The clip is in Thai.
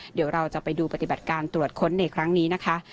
เดี๋ยวเราจะไปดูปฏิบัติการตรวจค้นในครั้งนี้นะคะ